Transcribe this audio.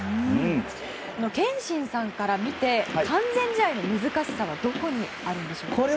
憲伸さんから見て完全試合の難しさはどこにあるんですか？